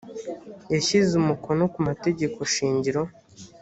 yashyize umukono ku mategeko shingiro